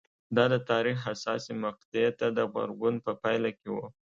دا د تاریخ حساسې مقطعې ته د غبرګون په پایله کې وه